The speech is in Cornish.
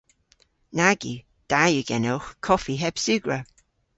Nag yw. Da yw genowgh koffi heb sugra.